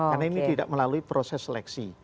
karena ini tidak melalui proses seleksi